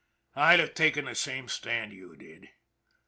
I'd have taken the same stand you did.